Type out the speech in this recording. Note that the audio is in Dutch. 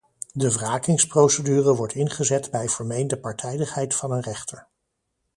De wrakingsprocedure wordt ingezet bij vermeende partijdigheid van een rechter.